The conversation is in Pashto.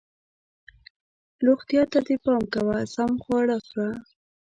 روغتیا ته دې پام کوه ، سم خواړه خوره